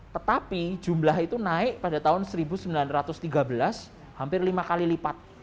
tetapi jumlah itu naik pada tahun seribu sembilan ratus tiga belas hampir lima kali lipat